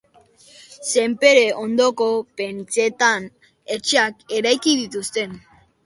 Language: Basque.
Senpere ondoko pentzeetan etxeak eraiki dituzte.